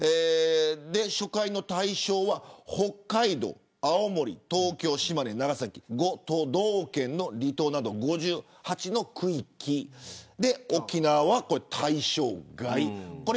初回の対象は北海道、青森東京、島根、長崎の５都道県の離島など５８の区域でそして沖縄は対象外です。